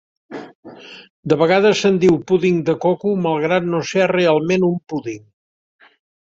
De vegades se'n diu púding de coco malgrat no ser realment un púding.